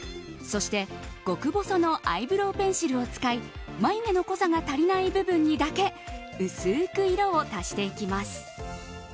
そして、極細のアイブローペンシルを使い眉毛の濃さが足りない部分にだけ薄く色を足していきます。